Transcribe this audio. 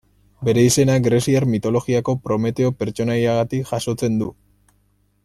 Bere izena greziar mitologiako Prometeo pertsonaiagatik jasotzen du.